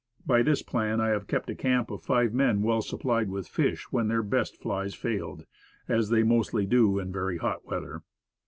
By this plan, I have kept a camp of five men well supplied with fish when their best flies failed as they mostly do in very hot weather.